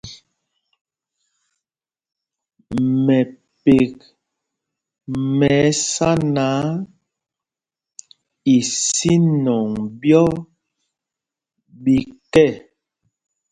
Mɛpek mɛ ɛsá náǎ, isínɔŋ ɓyɔ́ ɓi kɛ.